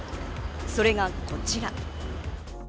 それがこちら。